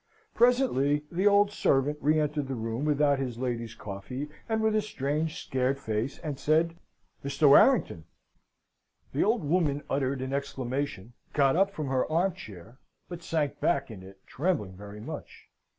Presently the old servant re entered the room without his lady's coffee and with a strange scared face, and said, "Mr. WARRINGTON!" The old woman uttered an exclamation, got up from her armchair, but sank back in it trembling very much.